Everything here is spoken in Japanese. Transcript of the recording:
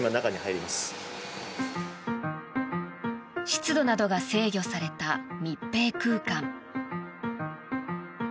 湿度などが制御された密閉空間。